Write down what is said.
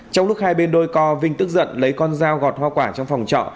trong lúc hai bên đôi co vinh tức giận lấy con dao gọt hoa quả trong phòng trọ